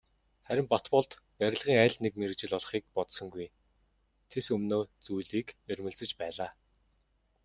Харин Батболд барилгын аль нэг мэргэжил олохыг бодсонгүй, тэс өмнөө зүйлийг эрмэлзэж байлаа.